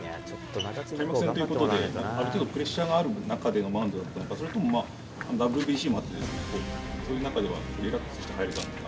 開幕戦ということで、ある程度プレッシャーがある中でのマウンドだったのか、それともＷＢＣもあって、そういう中ではリラックスして入れたんですか？